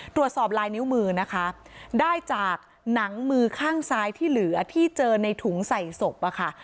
ตรวจสอบลายนิ้วมือนะคะได้จากหนังมือข้างซ้ายที่เหลือที่เจอในถุงใส่ศพอะค่ะ